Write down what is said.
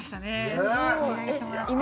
すごい！